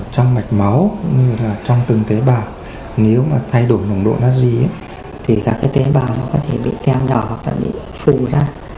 trong mạch máu trong từng tế bào nếu thay đổi nồng độ nát ri các tế bào có thể bị keo nhỏ hoặc bị phù ra